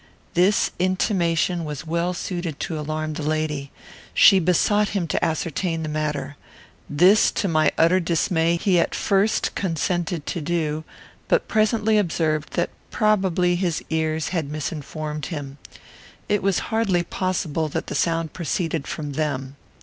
This intimation was well suited to alarm the lady. She besought him to ascertain the matter. This, to my utter dismay, he at first consented to do, but presently observed that probably his ears had misinformed him. It was hardly possible that the sound proceeded from them.